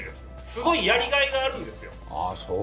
すごいやりがいがあるんですよ。